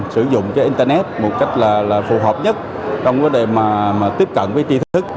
sử dụng cái internet một cách là phù hợp nhất trong vấn đề mà tiếp cận với chi thức